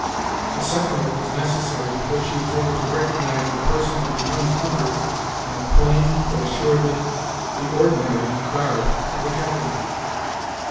A second look was necessary before she was able to recognize the person of the young hunter in a plain, but assuredly the ordinary, garb of a gentleman.